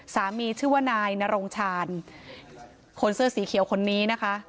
ชื่อว่านายนรงชาญคนเสื้อสีเขียวคนนี้นะคะ